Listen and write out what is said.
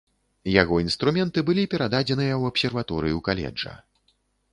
Яго інструменты былі перададзеныя ў абсерваторыю каледжа.